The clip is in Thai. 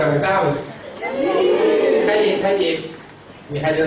ไม่มีอยู่